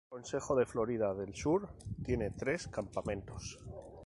Consejo de Florida del sur tiene tres campamentos.